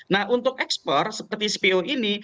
nah untuk ekspor seperti cpo ini